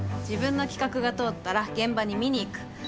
自分の企画が通ったら現場に見に行く。